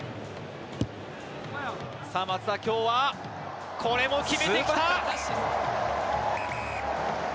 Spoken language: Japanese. さあ、松田、きょうは、これも決めてきた！